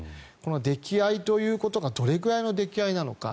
溺愛ということがどれぐらいの溺愛なのか。